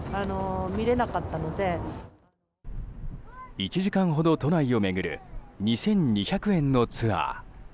１時間ほど都内を巡る２２００円のツアー。